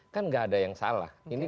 kan nggak ada yang salah